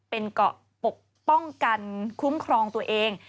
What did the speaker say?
เป็นเกาะปกป้องกันคุ้มครองตัวเอง